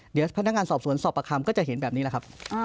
เดี๋ยวพนักงานสอบสวนสอบประคัมก็จะเห็นแบบนี้แหละครับ